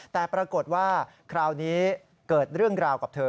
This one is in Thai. แต่ปรากฏว่าคราวนี้เกิดเรื่องราวกับเธอ